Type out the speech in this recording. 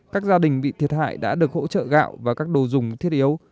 các gia đình bị thiệt hại đã được hỗ trợ gạo và các đồ dùng thiết yếu